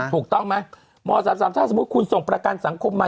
ถูกต้องไหมม๓๓ถ้าสมมุติคุณส่งประกันสังคมมา